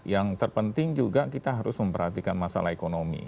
yang terpenting juga kita harus memperhatikan masalah ekonomi